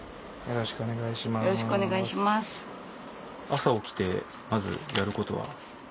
よろしくお願いします。